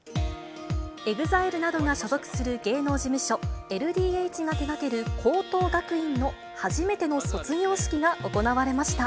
ＥＸＩＬＥなどが所属する芸能事務所、ＬＤＨが手がける高等学院の初めての卒業式が行われました。